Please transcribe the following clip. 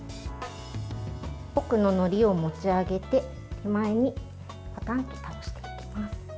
奥ののりを持ち上げて手前にパタンと倒していきます。